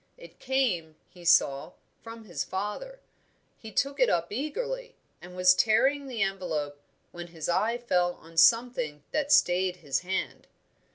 It came, he saw, from his father. He took it up eagerly, and was tearing the envelope when his eye fell on something that stayed his hand.